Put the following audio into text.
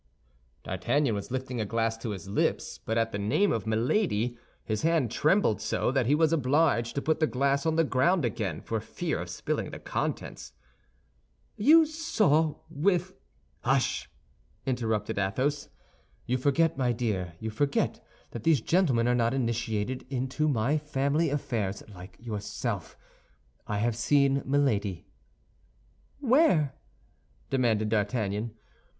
D'Artagnan was lifting a glass to his lips; but at the name of Milady, his hand trembled so, that he was obliged to put the glass on the ground again for fear of spilling the contents." "You saw your wi—" "Hush!" interrupted Athos. "You forget, my dear, you forget that these gentlemen are not initiated into my family affairs like yourself. I have seen Milady." "Where?" demanded D'Artagnan.